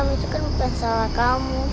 itu kan bukan salah kamu